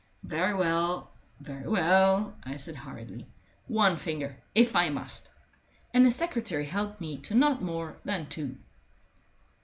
"Very well, very well," I said hurriedly. "One finger, if I must." And the secretary helped me to not more than two.